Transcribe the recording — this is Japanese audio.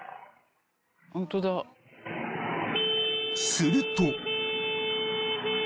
［すると］